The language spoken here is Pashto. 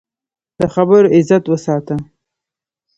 د خبرو عزت وساته